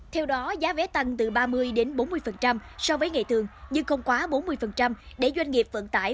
theo đó giá vé tăng từ ba mươi đến bốn mươi so với ngày thường nhưng không quá bốn mươi để doanh nghiệp vận tải